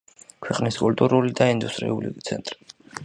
ქვეყნის კულტურული და ინდუსტრიული ცენტრი.